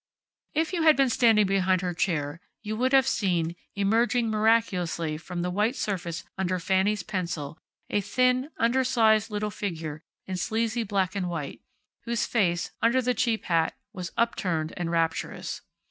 If you had been standing behind her chair you would have seen, emerging miraculously from the white surface under Fanny's pencil, a thin, undersized little figure in sleazy black and white, whose face, under the cheap hat, was upturned and rapturous.